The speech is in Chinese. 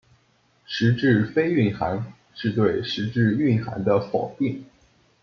实质非蕴涵是对实质蕴涵的否定。